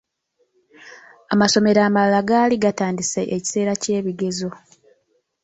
Amasomero amalala gaali gatandise ekiseera ky’ebigezo..